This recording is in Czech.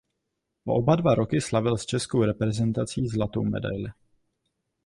Po oba dva roky slavil s českou reprezentací zlatou medaili.